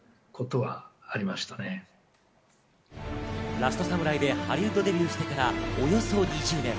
『ラストサムライ』でハリウッドデビューしてからおよそ２０年。